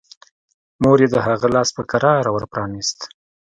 مور يې د هغه لاس په کراره ور پرانيست.